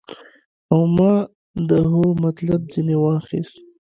او ما د هو مطلب ځنې واخيست.